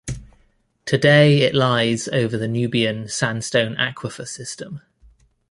Today it lies over the Nubian Sandstone Aquifer System.